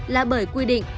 là bởi quy định